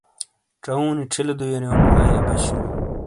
چاؤوں نی چھیلے دھویاریونو لائی ابش ہی۔